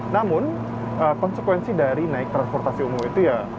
namun konsekuensi dari naik transportasi umum itu ya